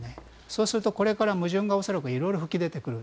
そうするとこれから矛盾が恐らく、色々噴き出てくる。